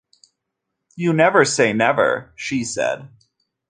"You never say never," she said.